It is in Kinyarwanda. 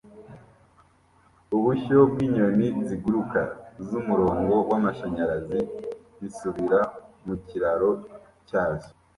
Ubushyo bwinyoni ziguruka zumurongo w'amashanyarazi zisubira mu kiraro cyazo